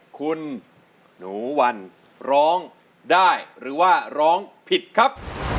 คุณหนูวันร้องได้หรือว่าร้องผิดครับ